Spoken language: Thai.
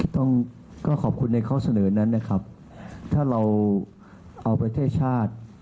ต้องก็ขอบคุณในข้อเสนอนั้นนะครับถ้าเราเอาประเทศชาติ